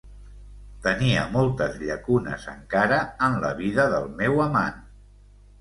Tenia moltes llacunes encara en la vida del meu amant.